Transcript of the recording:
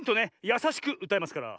やさしくうたいますから。